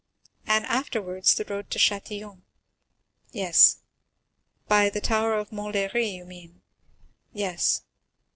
"And afterwards the road to Châtillon?" "Yes." "By the tower of Montlhéry, you mean?" "Yes."